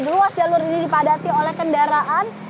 ruas jalur ini dipadati oleh kendaraan